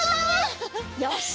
よし！